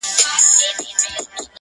پېژندل یې کورنیو له عمرونو،